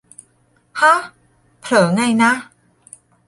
ห๊ะ เผลอไงนะ